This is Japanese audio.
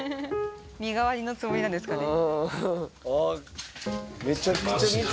身代わりのつもりなんですかね。